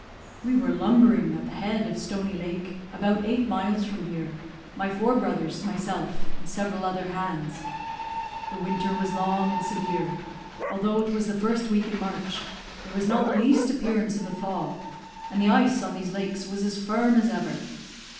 "We were lumbering at the head of Stony Lake, about eight miles from here, my four brothers, myself, and several other hands. The winter was long and severe; although it was the first week in March, there was not the least appearance of a thaw, and the ice on these lakes was as firm as ever.